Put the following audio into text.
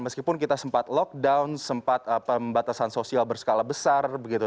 meskipun kita sempat lockdown sempat pembatasan sosial berskala besar begitu